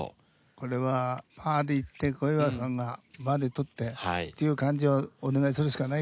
これはパーでいって小祝さんがバーディー取ってっていう感じをお願いするしかないでしょ。